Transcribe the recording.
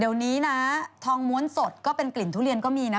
เดี๋ยวนี้นะทองม้วนสดก็เป็นกลิ่นทุเรียนก็มีนะ